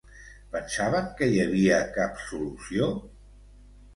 Pensaven que hi havia cap solució?